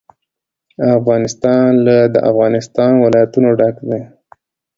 افغانستان له د افغانستان ولايتونه ډک دی.